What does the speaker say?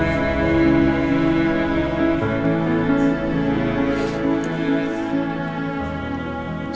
masih tak utuh